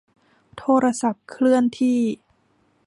โทรศัพท์เคลื่อนที่